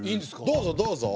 どうぞどうぞ。